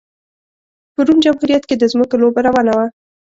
په روم جمهوریت کې د ځمکو لوبه روانه وه